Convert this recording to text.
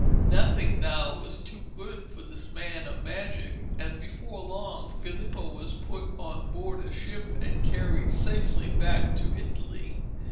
Nothing now was too good for this man of magic, and before long Filippo was put on board a ship and carried safely back to Italy.